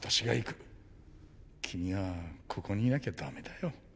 君はここにいなきゃ駄目だよ。